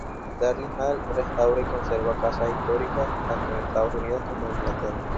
Daryl Hall restaura y conserva casas históricas, tanto en Estados Unidos como en Inglaterra.